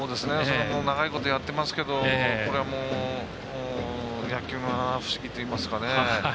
長いことやってますけどこれは野球の七不思議といいますか。